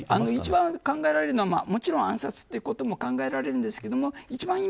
一番考えられるのはもちろん暗殺ということも考えられるんですけど一番